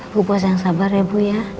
bu bos jangan sabar ya bu ya